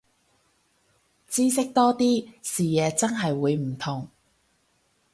知識多啲，視野真係會唔同